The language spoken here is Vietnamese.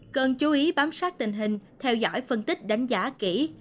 cần chú ý bám sát tình hình theo dõi phân tích đánh giá kỹ